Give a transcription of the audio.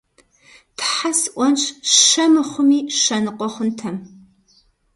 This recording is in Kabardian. Тхьэ сӀуэнщ, щэ мыхъуми, щэ ныкъуэ хъунтэм!